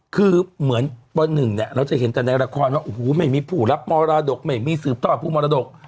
คือเหมือนป๑เนี่ยเราจะเห็นแต่ในละครว่าโอ้โหไม่มีผู้รับมรดกไม่มีสืบทอดผู้มรดก